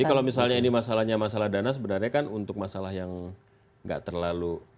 jadi kalau misalnya ini masalahnya masalah dana sebenarnya kan untuk masalah yang nggak terlalu